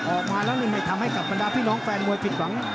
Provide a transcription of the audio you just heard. ออกมาแล้วหนึ่งทำให้กับบรรดาพี่น้องแฟนมวยผิดหวัง